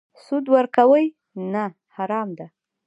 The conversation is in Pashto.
سود ورکوي؟ نه، حرام ده